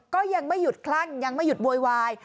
ก็ยังไม่หยุดคลั่งยังไม่หยุดโวยวาย